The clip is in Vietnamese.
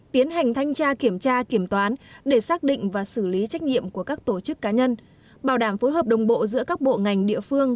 tiến hành thanh tra kiểm tra kiểm toán để xác định và xử lý trách nhiệm của các tổ chức cá nhân bảo đảm phối hợp đồng bộ giữa các bộ ngành địa phương